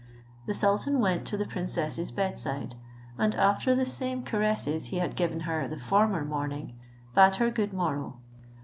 The sultan went to the princess's bed side, and after the same caresses he had given her the former morning, bade her good morrow.